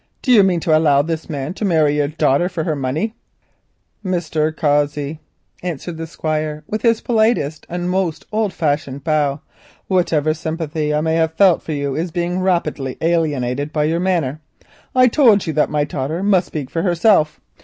"Do you mean to allow this man to marry your daughter for her money?" "Mr. Cossey," answered the Squire, with his politest and most old fashioned bow, "whatever sympathy I may have felt for you is being rapidly alienated by your manner. I told you that my daughter must speak for herself.